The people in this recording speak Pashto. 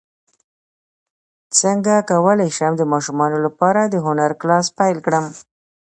څنګه کولی شم د ماشومانو لپاره د هنر کلاس پیل کړم